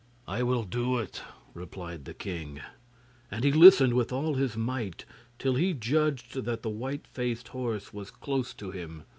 'I will do it,' replied the king; and he listened with all his might, till he judged that the white faced horse was close to him.